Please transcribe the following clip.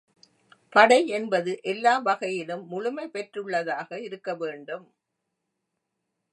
படை என்பது எல்லா வகையிலும் முழுமை பெற்றுள்ளதாக இருக்கவேண்டும்.